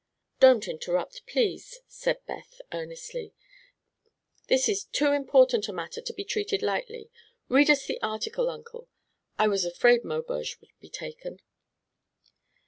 "Don't interrupt, please," said Beth, earnestly. "This is too important a matter to be treated lightly. Read us the article, Uncle. I was afraid Maubeuge would be taken."